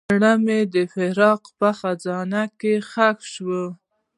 زړه مې د فراق په خزان کې ښخ شو.